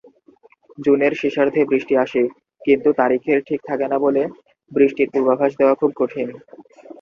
জুনের শেষার্ধে বৃষ্টি আসে, কিন্তু তারিখের ঠিক থাকেনা বলে বৃষ্টির পূর্বাভাস দেওয়া খুব কঠিন।